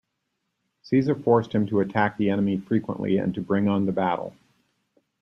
Caesar forced him to attack the enemy frequently and to bring on the battle.